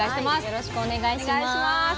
よろしくお願いします。